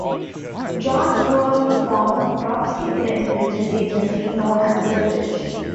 John grew up to found top secret intelligence agency known as The Bridge.